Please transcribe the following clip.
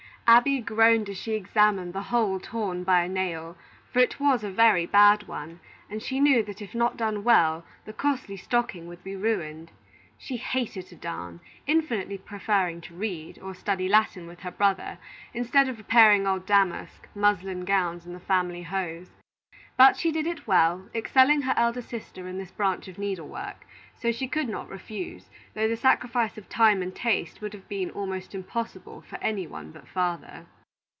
Abby groaned as she examined the hole torn by a nail, for it was a very bad one, and she knew that if not well done, the costly stocking would be ruined. She hated to darn, infinitely preferring to read, or study Latin with her brother, instead of repairing old damask, muslin gowns, and the family hose. But she did it well, excelling her elder sister in this branch of needle work; so she could not refuse, though the sacrifice of time and taste would have been almost impossible for any one but father.